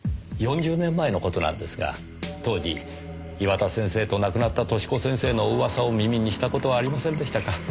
４０年前の事なんですが当時岩田先生と亡くなった寿子先生の噂を耳にした事はありませんでしたか？